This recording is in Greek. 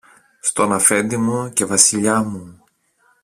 Στον Αφέντη μου και Βασιλιά μου